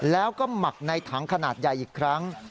แล้วก็หมักในถังขนาดใหญ่อีกครั้ง